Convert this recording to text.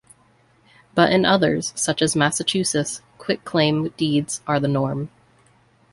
But in others, such as Massachusetts, quitclaim deeds are the norm.